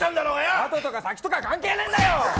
あととか先とか関係ねえんだよ！